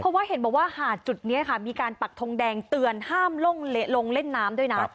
เพราะว่าเห็นบอกว่าหาดจุดนี้ค่ะมีการปักทงแดงเตือนห้ามลงเล่นน้ำด้วยนะ